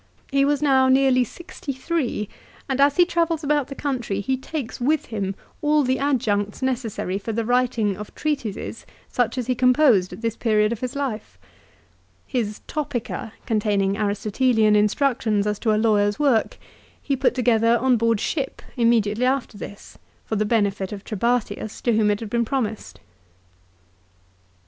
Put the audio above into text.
He was now nearly sixty three, and, as he travels about the country he takes with him all the adjuncts necessary for the writing of treatises such as he composed at this period of his life ! His " Topica," contain ing Aristotelian instructions as to a lawyer's work, he put together on board ship immediately after this, for the benefit of Trebatius, to whom it had been promised !